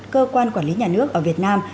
cơ quan quản lý nhà nước ở việt nam